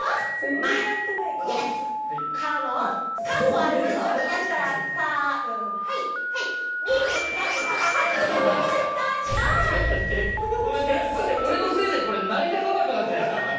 マジで俺のせいでこれ成り立たなくなってないですか？